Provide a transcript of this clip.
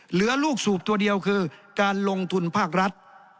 เหลือลูกสูบตัวเดียวคือการลงทุนภาครัฐ